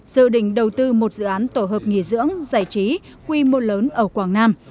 dự định đầu tư một dự án tổ hợp nghỉ dưỡng giải trí quy mô lớn ở quảng nam